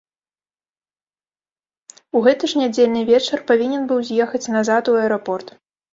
У гэты ж нядзельны вечар павінен быў з'ехаць назад у аэрапорт.